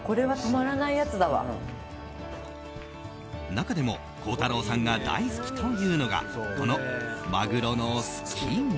中でも孝太郎さんが大好きというのがこのマグロのすき身。